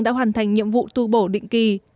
đã hoàn thành nhiệm vụ tu bổ định kỳ